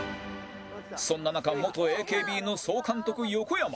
そんな中元 ＡＫＢ の総監督横山